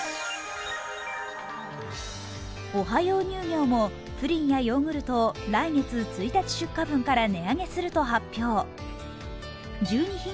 オハヨー乳業もプリンやヨーグルトを来月１日出荷分から値上げすると発表。